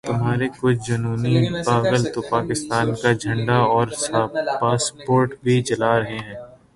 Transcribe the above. تمہارے کچھ جنونی پاگل تو پاکستان کا جھنڈا اور پاسپورٹ بھی جلا رہے ہیں۔